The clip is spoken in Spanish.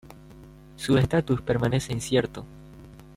Su estatus permanece incierto.